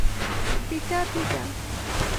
پیته پزه